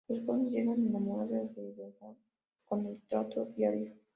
Los jóvenes llegan a enamorarse de verdad con el trato diario.